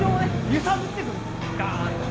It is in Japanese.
揺さぶってくるんですよダーンと。